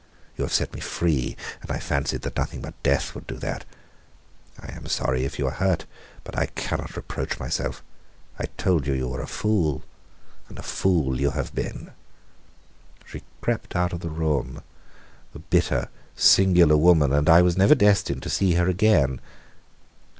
You have set me free, and I fancied that nothing but death would do that. I am sorry if you are hurt, but I cannot reproach myself. I told you that you were a fool and a fool you have been." She crept out of the room, the bitter, singular woman, and I was never destined to see her again.